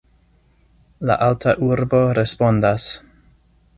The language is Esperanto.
La alta arbo respondas: